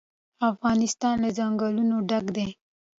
افغانستان له ځنګلونه ډک دی.